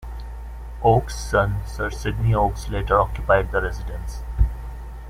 Oakes' son, Sir Sydney Oakes, later occupied the residence.